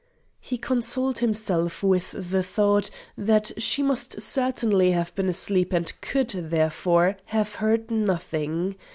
He consoled himself with the thought that she must certainly have been asleep and could, therefore, have heard nothing.